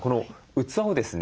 器をですね